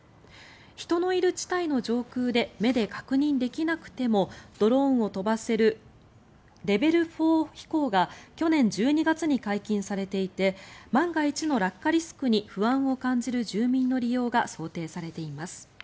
人のいる地帯の上空で目で確認できなくてもドローンを飛ばせるレベル４飛行が去年１２月に解禁されていて万が一の落下リスクに不安を感じる住民の利用が想定されています。